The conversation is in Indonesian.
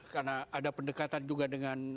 karena ada pendekatan juga dengan